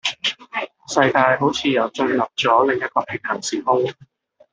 世界好似又進入左另一個平行時空